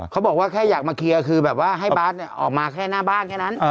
เขาบอกว่าแค่อยากมาเคลียร์คือแบบว่าให้บาทออกมาแค่หน้าบ้านแค่นั้น